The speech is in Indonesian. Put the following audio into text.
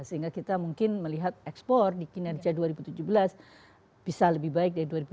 sehingga kita mungkin melihat ekspor di kinerja dua ribu tujuh belas bisa lebih baik dari dua ribu enam belas